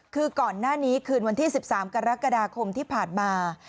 คือก่อนหน้านี้คืนวันที่๑๓กรกฎาคมที่ผ่านมา